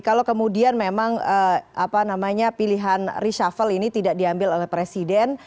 kalau kemudian memang pilihan reshuffle ini tidak diambil oleh presiden